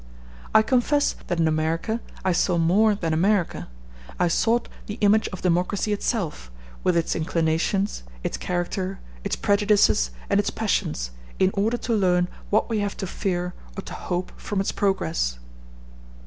I confess that in America I saw more than America; I sought the image of democracy itself, with its inclinations, its character, its prejudices, and its passions, in order to learn what we have to fear or to hope from its progress.